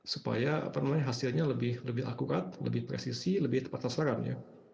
supaya hasilnya lebih akurat lebih presisi lebih tepat tasaran